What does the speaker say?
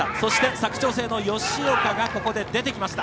佐久長聖の吉岡、出てきました。